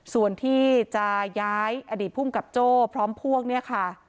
ส่วนที่จะย้ายอดีตภูมิกับโจ้พร้อมพวกเนี่ยค่ะ